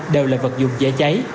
đều là vật dụng dễ cháy